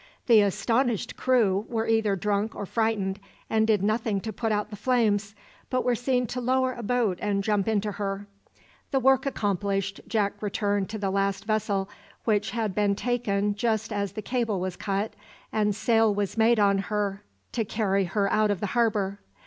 The astonished crew were either drunk or frightened, and did nothing to put out the flames, but were seen to lower a boat and jump into her. The work accomplished, Jack returned to the last vessel which had been taken just as the cable was cut and sail was made on her to carry her out of the harbour.